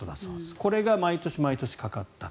これが毎年毎年かかった。